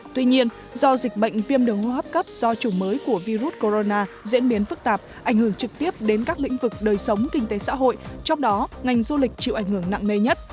tuy nhiên do dịch bệnh viêm đường hô hấp cấp do chủng mới của virus corona diễn biến phức tạp ảnh hưởng trực tiếp đến các lĩnh vực đời sống kinh tế xã hội trong đó ngành du lịch chịu ảnh hưởng nặng nề nhất